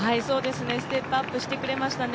ステップアップしてくれましたね。